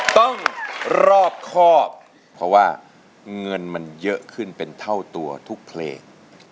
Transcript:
ต้องรอบครอบเพราะว่าเงินมันเยอะขึ้นเป็นเท่าตัวทุกเพลง